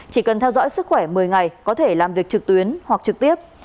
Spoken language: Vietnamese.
chỉ cần theo dõi sức khỏe một mươi ngày có thể làm việc trực tuyến hoặc trực tiếp